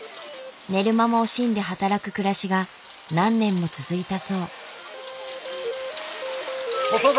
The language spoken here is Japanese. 寝る間も惜しんで働く暮らしが何年も続いたそう。